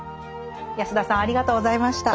安田さんありがとうございました。